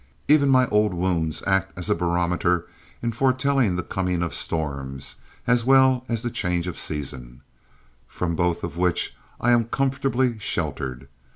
Even my old wounds act as a barometer in foretelling the coming of storms, as well as the change of season, from both of which I am comfortably sheltered.